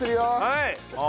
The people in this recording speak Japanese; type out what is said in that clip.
はい！